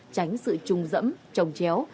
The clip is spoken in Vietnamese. tránh sự trung dẫm trồng chéo